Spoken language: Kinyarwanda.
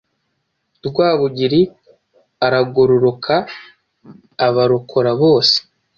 Rwabugiri aragororoka abarokora bose